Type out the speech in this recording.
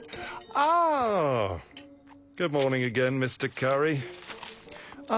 ああ。